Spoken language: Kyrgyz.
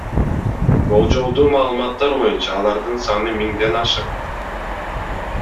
Болжолдуу маалыматтар боюнча, алардын саны миңден ашык.